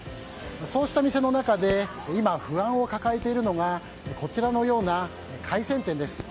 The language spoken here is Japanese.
そうした店の中で今、不安を抱えているのがこちらのような海鮮店です。